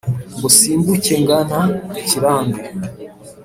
ngo nsimbuke ngana ikirambi